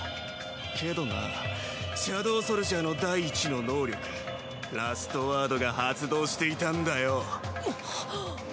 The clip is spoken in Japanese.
けどなシャドウソルジャーの第一の能力ラストワードが発動していたんだよ。